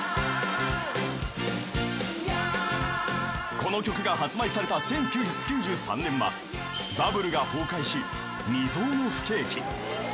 ［この曲が発売された１９９３年はバブルが崩壊し未曽有の不景気］